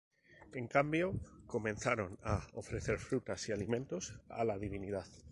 En cambio comenzaron a ofrecer frutas y alimentos a la divinidad.